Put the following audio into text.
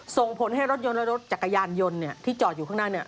ส่งผลให้รถยนต์และรถจักรยานยนต์ที่จอดอยู่ข้างหน้าเนี่ย